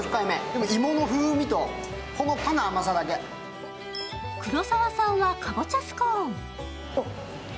でも、芋の風味とほのかな甘さだけ黒沢さんは、かぼちゃスコーン。